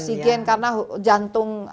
oksigen karena jantung